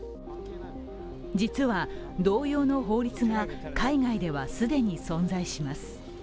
実は同様の法律が海外では既に存在します。